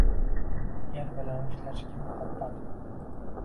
– yer bilan ishlashga muhabbat bu